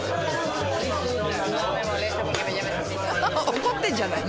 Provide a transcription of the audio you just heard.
怒ってんじゃないの？